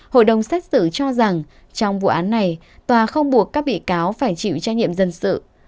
hội đồng xét xử cho rằng trong vụ án này tòa không buộc các bị cáo phải chịu trách nhiệm dân sự